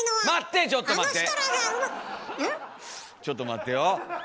ちょっと待ってよ。